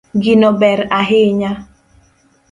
Gino ber ahinya